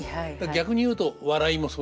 逆に言うと笑いもそうですね。